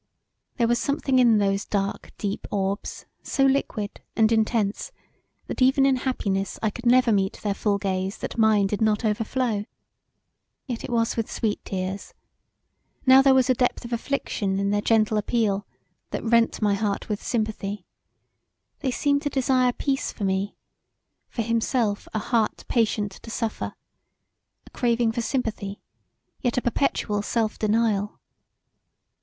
There was somthing in those dark deep orbs so liquid, and intense that even in happiness I could never meet their full gaze that mine did not overflow. Yet it was with sweet tears; now there was a depth of affliction in their gentle appeal that rent my heart with sympathy; they seemed to desire peace for me; for himself a heart patient to suffer; a craving for sympathy, yet a perpetual self denial.